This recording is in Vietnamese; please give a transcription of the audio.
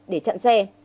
để chặn xe